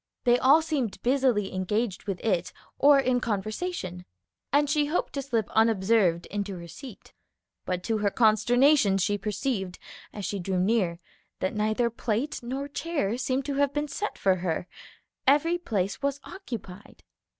They all seemed busily engaged with it or in conversation, and she hoped to slip unobserved into her seat. But to her consternation she perceived, as she drew near, that neither plate nor chair seemed to have been set for her; every place was occupied.